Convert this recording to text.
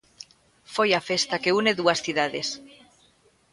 Foi a festa que une dúas cidades.